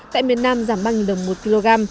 tại miền nam giảm ba đồng một kg